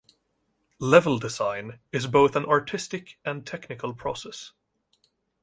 Level design is both an artistic and technical process.